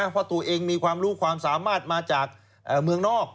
เพราะตัวเองมีความรู้ความสามารถมาจากเมืองนอก